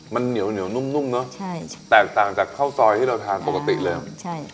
มันเหนียวเหนียวนุ่มนุ่มเนอะใช่แตกต่างจากข้าวซอยที่เราทานปกติเลยใช่